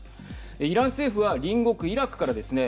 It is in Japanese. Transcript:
イラン政府は隣国イラクからですね